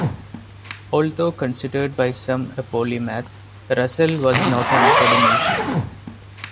Although considered by some a polymath, Russell was not an academician.